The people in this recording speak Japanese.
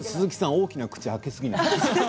大きな口を開けすぎないで。